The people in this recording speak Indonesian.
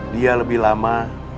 dia lebih lama